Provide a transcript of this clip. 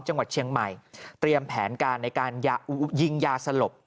จังหวัดเชียงใหม่เตรียมแผนการในการยิงยาสลบ